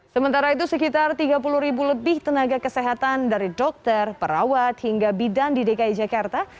sementara itu sekitar tiga puluh ribu lebih tenaga kesehatan dari dokter perawat hingga bidan di dki jakarta